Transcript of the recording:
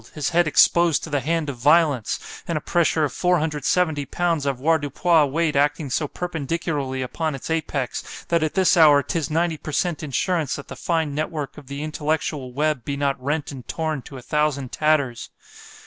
his head exposed to the hand of violence, and a pressure of 470 pounds avoirdupois weight acting so perpendicularly upon its apex—that at this hour 'tis ninety per Cent. insurance, that the fine net work of the intellectual web be not rent and torn to a thousand tatters.